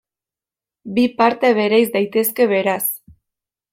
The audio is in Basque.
Bi parte bereiz daitezke beraz.